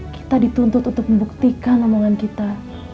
kita dituntut untuk membuktikan omongan kita